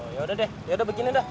ya udah deh ya udah beginiin dah